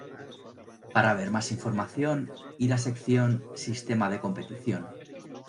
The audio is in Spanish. Para ver más información ir a sección -Sistema de competición-.